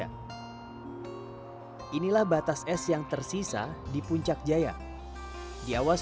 kami bergerak dari kem danau danau tim tiba di lokasi tujuan lidah es jaya wijaya satu satunya lokasi bersalju yang dimiliki indonesia